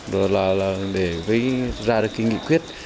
rồi là để ra được cái nghị quyết